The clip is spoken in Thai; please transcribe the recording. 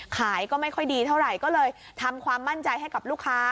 ขายก็ไม่ค่อยดีเท่าไหร่ก็เลยทำความมั่นใจให้กับลูกค้า